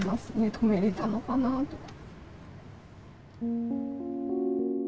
止めれたのかなあとか。